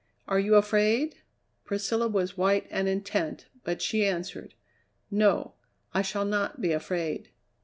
Are you afraid?" Priscilla was white and intent, but she answered: "No, I shall not be afraid."